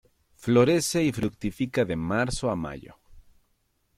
Florece y fructifica de Marzo a Mayo.